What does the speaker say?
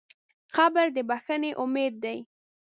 قبر د بښنې امید دی.